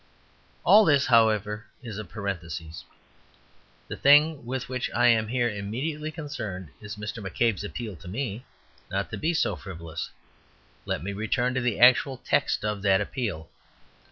All this, however, is a parenthesis. The thing with which I am here immediately concerned is Mr. McCabe's appeal to me not to be so frivolous. Let me return to the actual text of that appeal.